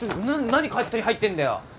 何勝手に入ってんだよ？